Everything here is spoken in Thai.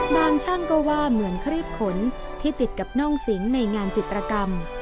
ช่างก็ว่าเหมือนครีบขนที่ติดกับน่องสิงในงานจิตรกรรม